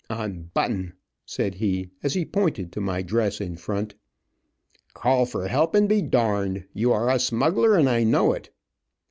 "Unbutton," said he as he pointed to my dress in front. "Call for help and be darned. You are a smuggler, and I know it."